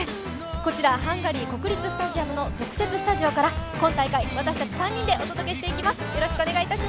こちらハンガリー国立スタジアムの特設スタジオから今大会、私たち３人でお届けしていきます。